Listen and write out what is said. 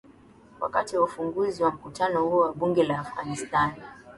wakati wa ufunguzi wa mkutano huo wa bunge la afghanistan